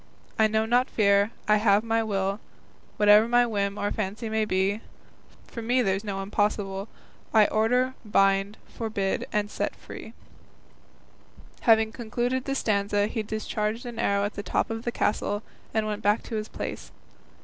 I know not fear, I have my will, Whate'er my whim or fancy be; For me there's no impossible, I order, bind, forbid, set free. Having concluded the stanza he discharged an arrow at the top of the castle, and went back to his place.